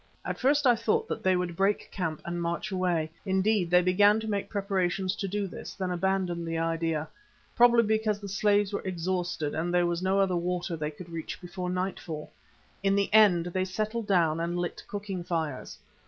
At first I thought that they would break camp and march away; indeed, they began to make preparations to do this, then abandoned the idea, probably because the slaves were exhausted and there was no other water they could reach before nightfall. In the end they settled down and lit cooking fires.